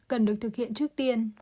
cần được thực hiện trước tiên